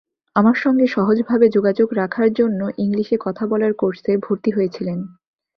আমার সঙ্গে সহজভাবে যোগাযোগ রাখার জন্য ইংলিশে কথা বলার কোর্সে ভর্তি হয়েছিলেন।